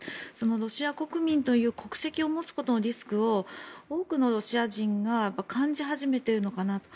ロシア国民という国籍を持つことのリスクを多くのロシア人が感じ始めているのかなと。